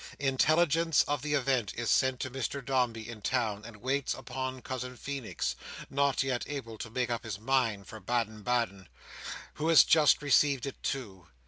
Intelligence of the event is sent to Mr Dombey in town, who waits upon Cousin Feenix (not yet able to make up his mind for Baden Baden), who has just received it too.